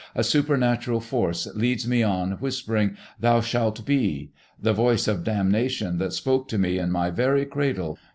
A supernatural force leads me on, whispering, "Thou shalt be!" The voice of damnation that spoke to me in my very cradle.